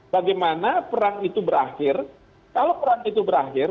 bagaimana perang itu berakhir kalau perang itu berakhir